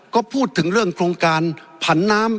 ก็พูดถึงเรื่องโครงการผันน้ำ